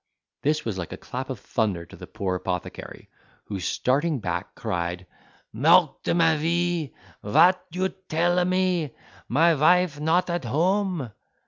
This was like a clap of thunder to the poor apothecary, who starting back, cried, "Mort de ma vie! vat you tell a me? My vife not at home!"